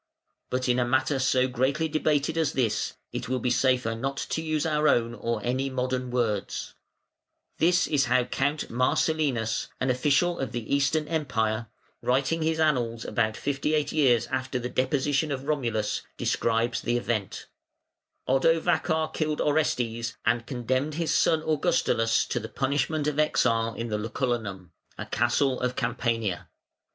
But in a matter so greatly debated as this it will be safer not to use our own or any modern words, This is how Count Marcellinus, an official of the Eastern Empire, writing his annals about fifty eight years after the deposition of Romulus, describes the event: "Odovacar killed Orestes and condemned his son Augustulus to the punishment of exile in the Lucullanum, a castle of Campania.